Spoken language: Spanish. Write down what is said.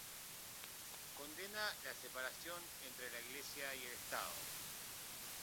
Condena la separación entre la Iglesia y el Estado.